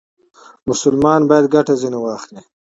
مسلمان باید ګټه ځنې واخلي.